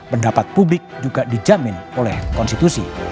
pendapat publik juga dijamin oleh konstitusi